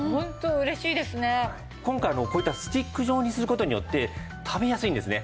今回こういったスティック状にする事によって食べやすいんですね。